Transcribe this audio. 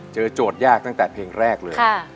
โจทย์ยากตั้งแต่เพลงแรกเลย